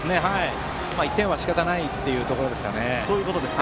１点はしかたないというところですかね。